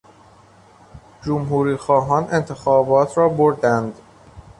جمهوریخواهان انتخابات را بردند.